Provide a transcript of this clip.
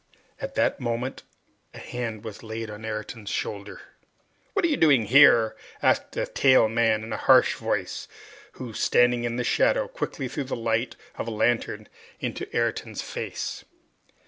At that moment a hand was laid on Ayrton's shoulder. "What are you doing here?" asked a tall man, in a harsh voice, who, standing in the shadow, quickly threw the light of a lantern in Ayrton's face.